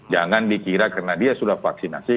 jangan dikira karena dia sudah vaksinasi